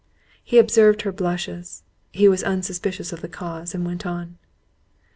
If he observed her blushes, he was unsuspicious of the cause, and went on.